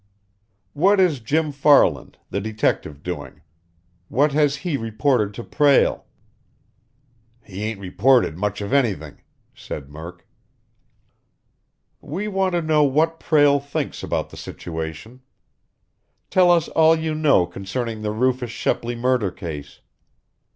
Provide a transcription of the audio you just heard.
"What is Jim Farland, the detective, doing? What has he reported to Prale?" "He ain't reported much of anything," said Murk. "We want to know what Prale thinks about the situation. Tell us all you know concerning the Rufus Shepley murder case.